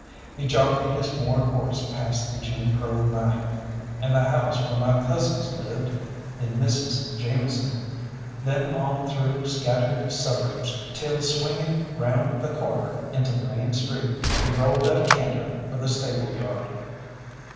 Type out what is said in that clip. He jockeyed his worn horse past the Jim Crow Mine, and the house where my cousins lived, the Misses Jameson, then on through scattered suburbs, till swinging round the corner into the main street he rolled at a canter for the stable yard.